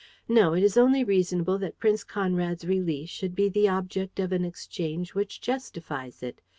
No, it is only reasonable that Prince Conrad's release should be the object of an exchange which justifies it.